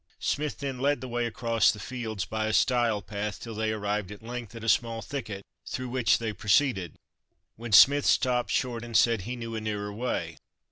Smith then led the way across the fields, by a stile path, till they arrived at length at a small thicket, through which they proceeded, when Smith stopped short, and said he knew a nearer way.